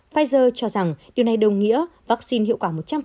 pfizer cho rằng điều này đồng nghĩa vaccine hiệu